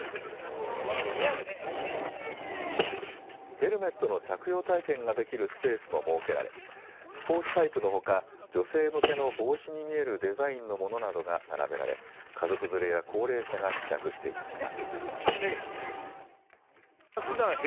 ヘルメットの着用体験ができるスペースも設けられスポーツタイプのほか女性向けの帽子に見えるデザインのものなどが並べられ家族連れや高齢者が試着していました。